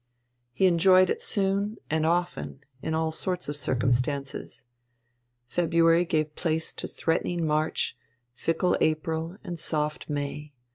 He enjoyed it soon and often, in all sorts of circumstances. February gave place to threatening March, fickle April and soft May.